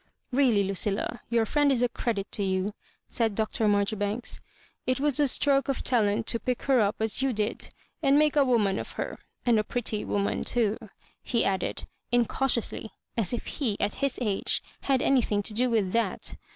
"Really, Lucilla, your friend is a credit to you," said Dr. Marjoribanka " It was a stroke of talent to pick her up as you did, and make a woman of her — ^and a pretty woman too,'' he added, incautiously; as if he, at his age, had any thing to do with that.